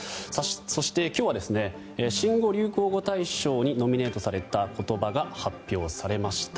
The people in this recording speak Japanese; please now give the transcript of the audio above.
そして今日は新語・流行語大賞にノミネートされた言葉が発表されました。